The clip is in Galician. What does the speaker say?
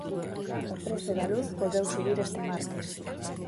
O prezo da luz volveu subir este martes.